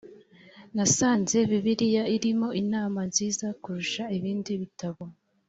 nasanze bibiliya irimo inama nziza kurusha ibindi bitabo